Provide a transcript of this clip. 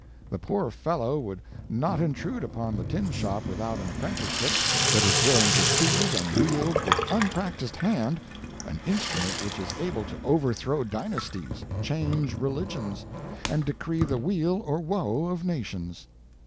The poor fellow would not intrude upon the tin shop without an apprenticeship, but is willing to seize and wield with unpractised hand an instrument which is able to overthrow dynasties, change religions, and decree the weal or woe of nations.